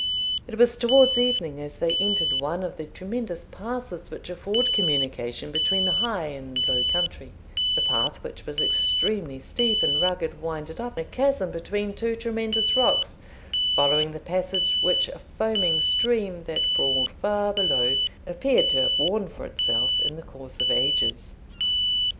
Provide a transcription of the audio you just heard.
It was towards evening as they entered one of the tremendous passes which afford communication between the high and low country; the path, which was extremely steep and rugged, winded up a chasm between two tremendous rocks, following the passage which a foaming stream, that brawled far below, appeared to have worn for itself in the course of ages.